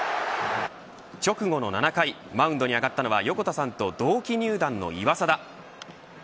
直後の７回、マウンドに上がったのは横田さんと同期入団の岩貞。